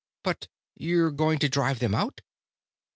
But you're going to drive them out?"